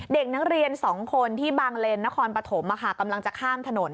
เด็กนักเรียน๒คนที่บางเลนนครปฐมกำลังจะข้ามถนน